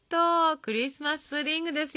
クリスマス・プディングですよ